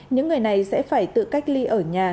những người này sẽ phải tự cách ly ở nhà